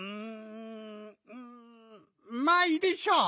うんまあいいでしょう。